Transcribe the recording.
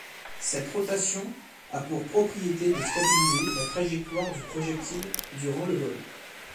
Cette rotation a pour propriété de stabiliser la trajectoire du projectile durant le vol.